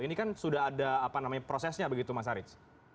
ini kan sudah ada prosesnya begitu mas haris